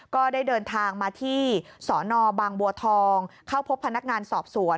ก็ได้เดินทางมาที่สนบางบัวทองเข้าพบพนักงานสอบสวน